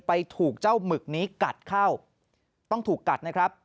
ถูกเจ้าหมึกนี้กัดเข้าต้องถูกกัดนะครับ